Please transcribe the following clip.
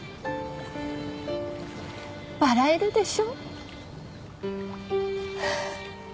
笑えるでしょ？